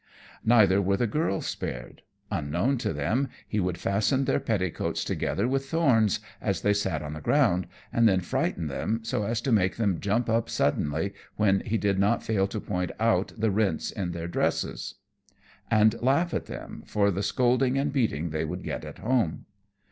Neither were the girls spared. Unknown to them he would fasten their petticoats together with thorns, as they sat on the ground, and then frighten them, so as to make them jump up suddenly, when he did not fail to point out the rents in their dresses, and laugh at them for the scolding and beating they would get at home.